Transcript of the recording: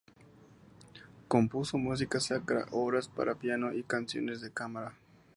Compuso música sacra, obras para piano y canciones de cámara.